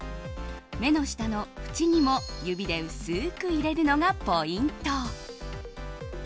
目の下のふちにも指で薄く入れるのがポイント。